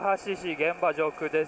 現場上空です。